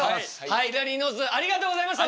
はいラニーノーズありがとうございました！